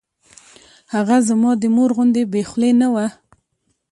هغه زما د مور غوندې بې خولې نه وه.